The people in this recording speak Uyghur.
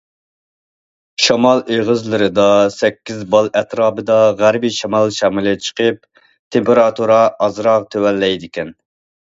شامال ئېغىزلىرىدا سەككىز بال ئەتراپىدا غەربىي شىمال شامىلى چىقىپ، تېمپېراتۇرا ئازراق تۆۋەنلەيدىكەن.